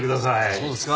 そうですか？